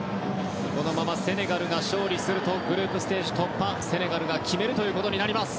このままセネガルが勝利するとグループステージ突破をセネガルが決めます。